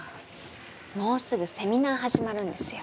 もうすぐセミナー始まるんですよ。